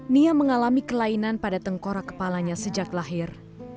nia mengalami kelainan pada tengkorak kepalanya sejak lahir